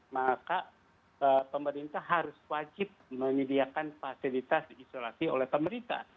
maka pemerintah harus wajib menyediakan fasilitas isolasi oleh pemerintah